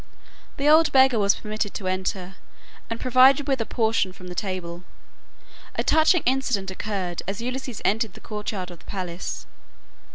The old beggar was permitted to enter, and provided with a portion from the table. A touching incident occurred as Ulysses entered the courtyard of the palace.